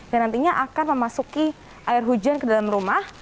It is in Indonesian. dan nantinya akan memasuki air hujan ke dalam rumah